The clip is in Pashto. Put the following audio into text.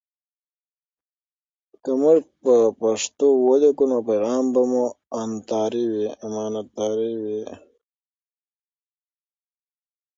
که موږ په پښتو ولیکو، نو پیغام مو امانتاري وي.